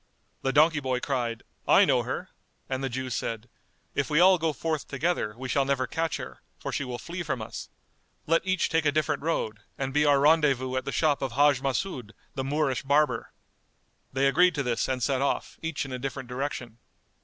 The donkey boy cried, "I know her;" and the Jew said, "If we all go forth together, we shall never catch her; for she will flee from us. Let each take a different road, and be our rendezvous at the shop of Hajj Mas'úd, the Moorish barber." They agreed to this and set off, each in a different direction.